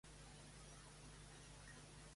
La lupa fa les lletres grans